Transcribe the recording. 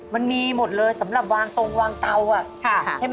มันมีหมดเลยสำหรับวางตรงวางเตาใช่ไหม